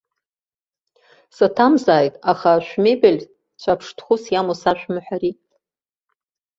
Саҭамзааит, аха шәмебель цәаԥштәхәыс иамоу сашәымҳәари.